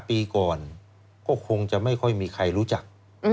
ปีก่อนก็คงจะไม่ค่อยมีใครรู้จัก